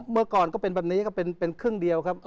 เมื่อก่อนก็เป็นแบบนี้ก็เป็นครึ่งเดียวครับ